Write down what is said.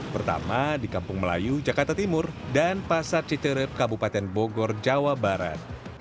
pertama di kampung melayu jakarta timur dan pasar citerep kabupaten bogor jawa barat